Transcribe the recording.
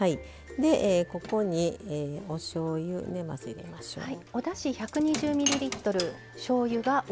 ここに、おしょうゆをまず入れましょう。